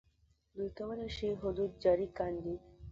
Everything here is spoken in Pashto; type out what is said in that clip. دوی کولای شي حدود جاري کاندي.